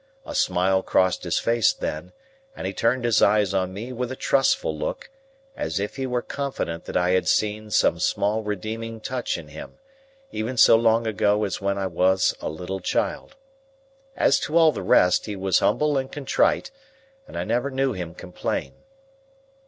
A smile crossed his face then, and he turned his eyes on me with a trustful look, as if he were confident that I had seen some small redeeming touch in him, even so long ago as when I was a little child. As to all the rest, he was humble and contrite, and I never knew him complain.